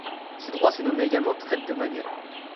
Ce droit se nommait également traite domaniale.